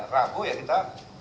rapuh ya kita